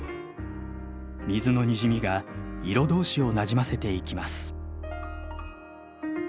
水のにじみが色同士をなじませていきます。